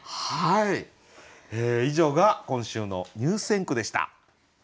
以上が今週の入選句でした。